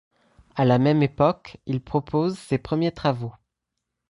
À la même époque, il propose ses premiers travaux.